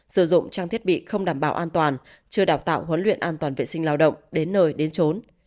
sử dụng trang thiết bị không đảm bảo an toàn chưa đào tạo huấn luyện an toàn vệ sinh lao động đến nơi đến trốn